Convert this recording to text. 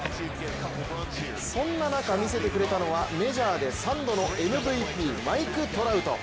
そんな中見せてくれたのはメジャーで３度のＭＶＰマイク・トラウト。